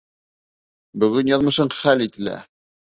Бөгөн яҙмышың хәл ителә!